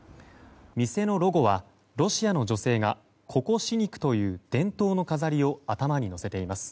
店のロゴはロシアの女性がココシニクという伝統の飾りを頭にのせています。